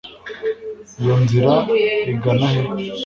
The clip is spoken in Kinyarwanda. iyo nzira igana he